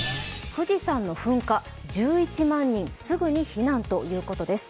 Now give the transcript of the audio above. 富士山の噴火、１１万人、すぐに避難ということです。